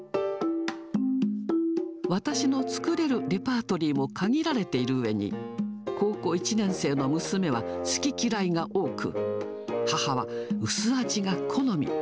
私の作れるレパートリーも限られているうえに、高校１年生の娘は好き嫌いが多く、母は薄味が好み。